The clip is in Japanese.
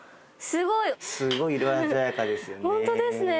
すごい色鮮やかですよね。